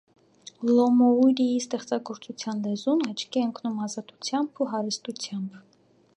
Լոմոուրիի ստեղծագործության լեզուն աչքի է ընկնում ազատությամբ ու հարստությամբ։